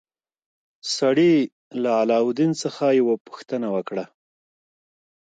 سړي له علاوالدین څخه یوه پوښتنه وکړه.